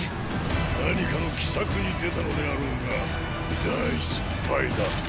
何かの奇策に出たのであろうが大失敗だ。